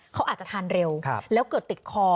เขาอาจจะทานเร็วแล้วเกิดติดคอ